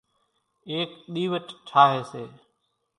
ايڪ ۮيوٽ ٺاۿي سي